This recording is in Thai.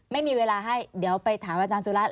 ไม่มีเวลาให้เดี๋ยวไปถามอาจารย์สุรัตน